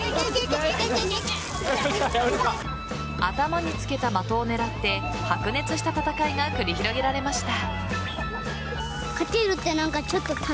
頭に着けた的を狙って白熱した戦いが繰り広げられました。